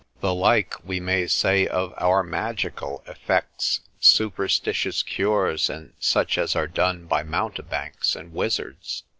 The like we may say of our magical effects, superstitious cures, and such as are done by mountebanks and wizards.